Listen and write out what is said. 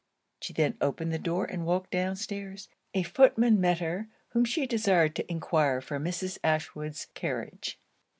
She then opened the door and walked down stairs. A footman met her, whom she desired to enquire for Mrs. Ashwood's carriage.